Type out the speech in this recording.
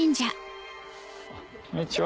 こんにちは。